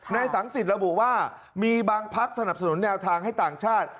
ในสังศิษย์ระบุว่ามีบางภักดิ์สนับสนุนแนวทางให้ต่างชาติ